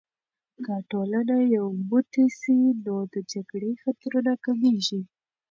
که ټولنه یو موټی سي، نو د جګړې خطرونه کمېږي.